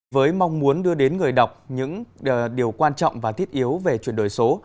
với mong muốn đưa đến người đọc những điều quan trọng và thiết yếu về chuyển đổi số